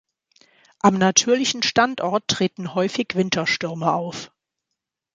Am natürlichen Standort treten häufig Winterstürme auf.